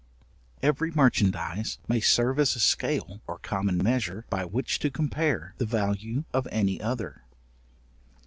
Every merchandize may serve as a scale or common measure, by which to compare the value of any other.